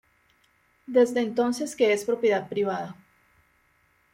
Desde entonces que es propiedad privada.